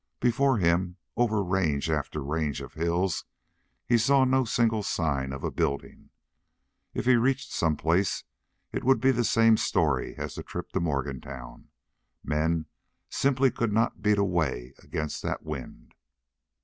Before him, over range after range of hills, he saw no single sign of a building. If he reached some such place it would be the same story as the trip to Morgantown; men simply could not beat a way against that wind.